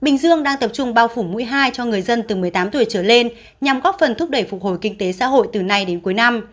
bình dương đang tập trung bao phủ mũi hai cho người dân từ một mươi tám tuổi trở lên nhằm góp phần thúc đẩy phục hồi kinh tế xã hội từ nay đến cuối năm